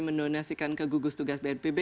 mendonasikan ke gugus tugas bnpb